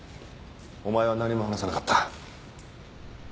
お前は何も話さなかった。